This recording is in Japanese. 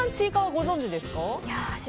ご存じですか？